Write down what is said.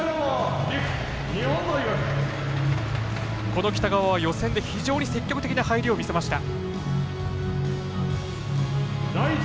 この北川は予選で非常に積極的な入りを見せました。